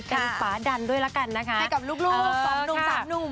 เป็นฝาดันด้วยละกันนะคะให้กับลูกสองหนุ่มสามหนุ่ม